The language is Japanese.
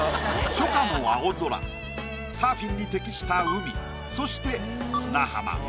初夏の青空サーフィンに適した海そして砂浜。